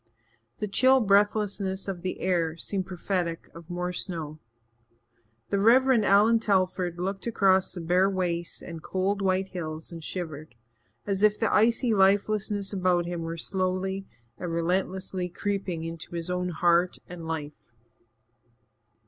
The chill breathlessness of the air seemed prophetic of more snow. The Reverend Allan Telford looked across the bare wastes and cold white hills and shivered, as if the icy lifelessness about him were slowly and relentlessly creeping into his own heart and life.